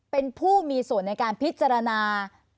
เป็นผู้มีส่วนในการพิจารณา